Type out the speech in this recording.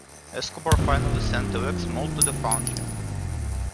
Escobar finally sent a wax mold to the foundry.